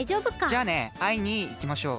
じゃあねあいにいきましょう。